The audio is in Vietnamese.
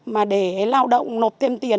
mà để lao động nộp thêm tiền